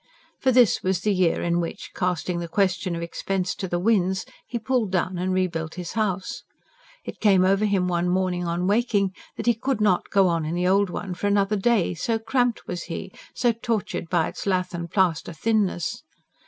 For this was the year in which, casting the question of expense to the winds, he pulled down and rebuilt his house. It came over him one morning on waking that he could not go on in the old one for another day, so cramped was he, so tortured by its lath and plaster thinness.